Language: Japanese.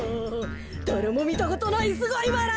「だれもみたことないすごいバラ！」